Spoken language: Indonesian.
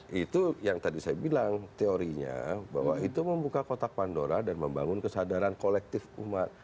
nah itu yang tadi saya bilang teorinya bahwa itu membuka kotak pandora dan membangun kesadaran kolektif umat